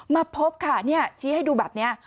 มาพบค่ะชี้ให้ดูแบบนี้